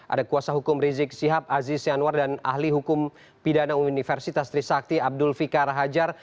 ada kuasa hukum rizik sihab aziz yanwar dan ahli hukum pidana universitas trisakti abdul fikar hajar